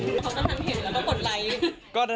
เพราะต้องทำเห็นแล้วก็ปลดไลค์